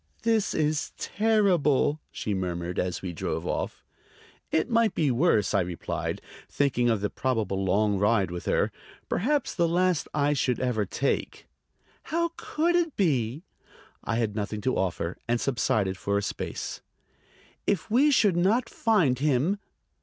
"This is terrible!" she murmured as we drove off. "It might be worse," I replied, thinking of the probable long ride with her: perhaps the last I should ever take! "How could it be!" I had nothing to offer, and subsided for a space. "If we should not find him!"